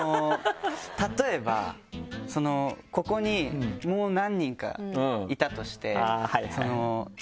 例えばここにもう何人かいたとして。